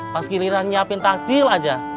pas giliran nyiapin takjil aja